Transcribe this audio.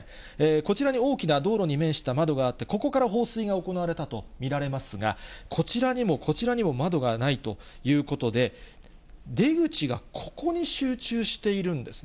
こちらに大きな道路に面した窓があって、ここから放水が行われたと見られますが、こちらにもこちらにも窓がないということで、出口がここに集中しているんですね。